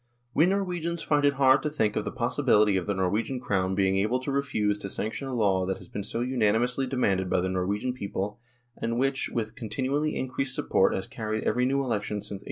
We Norwegians find it hard to think of the possibility of the Norwegian Crown being able to refuse to sanction a law that has been so unanimously demanded by the Norwegian people and which with continually increased support has carried every new Election since 1892.